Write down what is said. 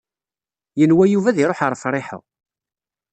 Yenwa Yuba ad iṛuḥ ar Friḥa.